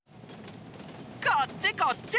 こっちこっち。